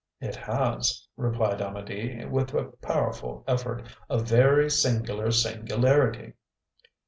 "It has," replied Amedee, with a powerful effort, "a very singular singularity."